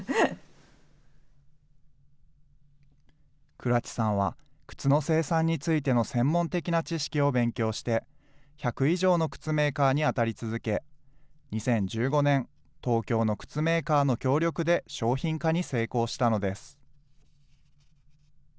倉知さんは、靴の生産についての専門的な知識を勉強して、１００以上の靴メーカーに当たり続け、２０１５年、東京の靴メーカーの協力で商品化に成功したのです。